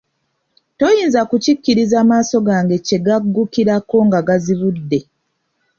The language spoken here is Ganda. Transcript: Toyinza kukkiriza maaso gange kye gaggukirako nga ngazibudde.